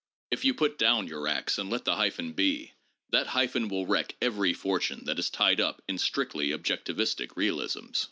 If you put down your axe and let the hyphen be, that hyphen will wreck every fortune that is tied up in " strictly objectivistic realisms."